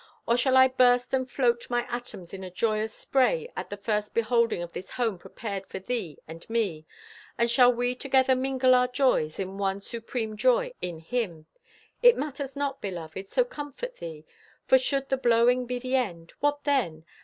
Or shall I burst and float my atoms in a joyous spray at the first beholding of this home prepared for thee and me, and shall we together mingle our joys in one supreme joy in Him? It matters not, beloved, so comfort thee. For should the blowing be the end, what then?